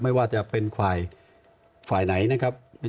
ไม่ว่าจะเป็นขวายขวายไหนนะครับ